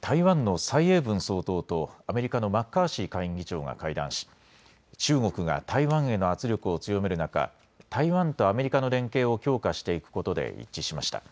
台湾の蔡英文総統とアメリカのマッカーシー下院議長が会談し中国が台湾への圧力を強める中、台湾とアメリカの連携を強化していくことで一致しました。